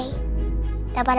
ya sudah baik